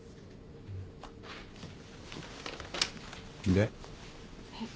で？えっ？